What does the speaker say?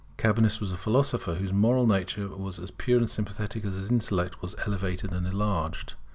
Cabanis was a philosopher whose moral nature was as pure and sympathetic as his intellect was elevated and enlarged.